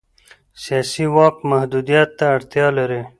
سیاسي واک محدودیت ته اړتیا لري